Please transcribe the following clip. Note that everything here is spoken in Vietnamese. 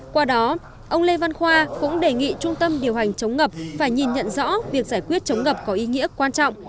qua đó ông lê văn khoa cũng đề nghị trung tâm điều hành chống ngập phải nhìn nhận rõ việc giải quyết chống ngập có ý nghĩa quan trọng